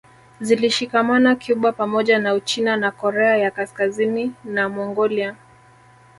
Zilishikamana Cuba pamoja na Uchina na Korea ya Kaskazini na Mongolia